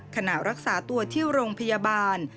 ขณะรักษาตัวที่โรงพยาบาล